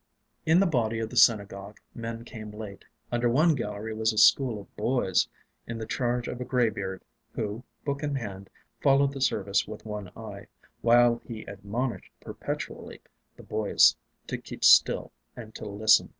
In the body of the synagogue men came late. Under one gallery was a school of boys, in the charge of a graybeard, who, book in hand, followed the service with one eye, while he admonished perpetually the boys to keep still and to listen.